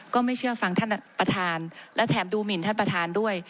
ก็ไม่เชื่อฟังท่านประธานและแถมดูหมินท่านประธานด้วย